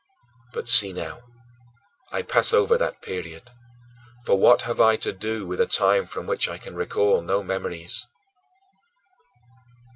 But see now, I pass over that period, for what have I to do with a time from which I can recall no memories?